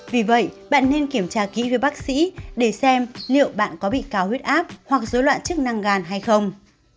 vì vậy bạn nên kiểm tra kỹ với bác sĩ để xem liệu bạn có bị cao huyết áp hoặc dối loạn chức năng gan hay không